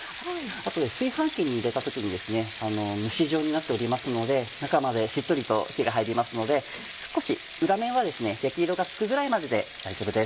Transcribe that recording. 後で炊飯器に入れた時に蒸し状になっておりますので中までしっとりと火が入りますので少し裏面は焼き色がつくぐらいまでで大丈夫です。